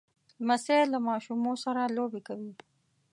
لمسی له ماشومو سره لوبې کوي.